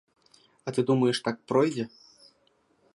А ты думаеш, так пройдзе?